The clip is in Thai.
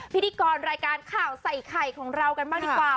พิธีกรรายการข่าวใส่ไข่ของเรากันบ้างดีกว่า